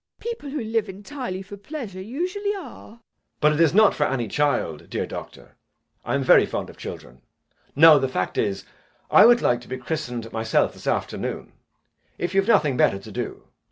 ] People who live entirely for pleasure usually are. JACK. But it is not for any child, dear Doctor. I am very fond of children. No! the fact is, I would like to be christened myself, this afternoon, if you have nothing better to do.